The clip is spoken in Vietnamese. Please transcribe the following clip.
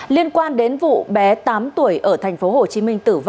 liên quan đến vụ bé tám tuổi ở tp hcm